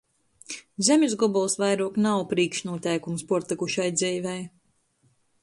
Zemis gobols vairuok nav prīkšnūteikums puortykušai dzeivei.